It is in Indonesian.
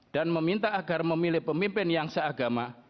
dan meminta agar memilih pemimpin yang seagama